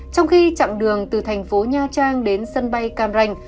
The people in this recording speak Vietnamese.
trong khi chặng đường từ thành phố nha trang đến sân bay cam ranh